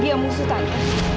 dia musuh tadi